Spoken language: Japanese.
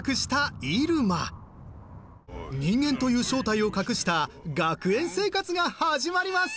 人間という正体を隠した学園生活が始まります。